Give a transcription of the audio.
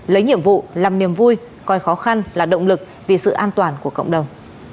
lấy nhiệm vụ làm niềm vui coi khó khăn là động lực vì sự an toàn của cộng đồng